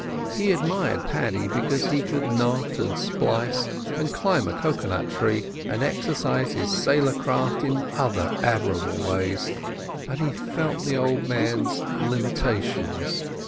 He admired Paddy because he could knot, and splice, and climb a cocoa nut tree, and exercise his sailor craft in other admirable ways, but he felt the old man's limitations.